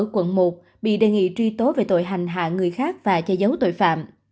quận một bị đề nghị truy tố về tội hành hạ người khác và che giấu tội phạm